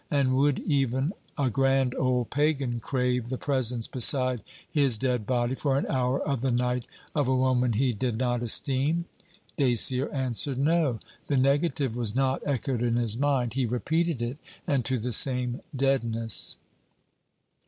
And would even a grand old Pagan crave the presence beside his dead body for an hour of the night of a woman he did not esteem? Dacier answered no. The negative was not echoed in his mind. He repeated it, and to the same deadness.